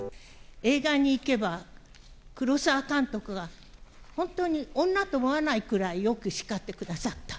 映画にいけば、黒澤監督が、本当に女と思わないくらいよく叱ってくださった。